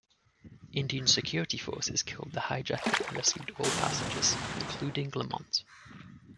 Indian security forces killed the hijacker and rescued all passengers, including Lamont.